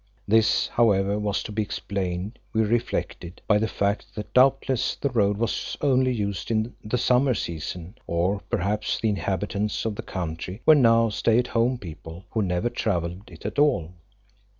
This, however, was to be explained, we reflected, by the fact that doubtless the road was only used in the summer season. Or perhaps the inhabitants of the country were now stay at home people who never travelled it at all.